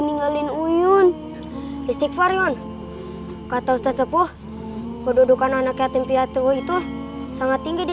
ninggalin unyun istighfar ion kata ustaz sepuh kedudukan anak yatim piatu itu sangat tinggi di